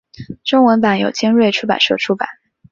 中文版由尖端出版社出版。